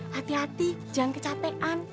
hati hati jangan kecapean